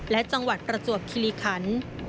และจังหวัดประจวบคิริคัน